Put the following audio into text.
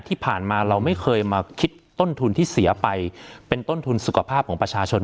ที่ผ่านมาเราไม่เคยมาคิดต้นทุนที่เสียไปเป็นต้นทุนสุขภาพของประชาชน